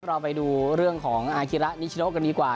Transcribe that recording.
เราไปดูเรื่องของอาคิระนิชโนกันดีกว่า